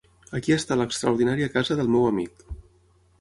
Aquí està l'extraordinària casa del meu amic.